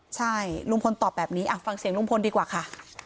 ใช่ลุงพลตอบแบบนี้ฟังเสียงลุงพลดีกว่าค่ะ